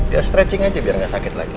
ya stretching aja biar gak sakit lagi